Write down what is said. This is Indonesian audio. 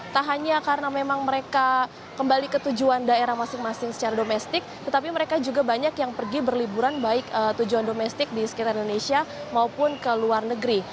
tak hanya karena memang mereka kembali ke tujuan daerah masing masing secara domestik tetapi mereka juga banyak yang pergi berliburan baik tujuan domestik di sekitar indonesia maupun ke luar negeri